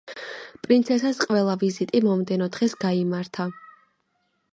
პრინცესას ყველა ვიზიტი მომდევნო დღეს გაიმართა.